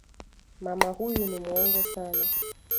Mama huyu ni muongo sana